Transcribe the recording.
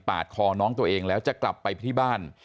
คอน้องตัวเองแล้วจะกลับไปที่บ้าน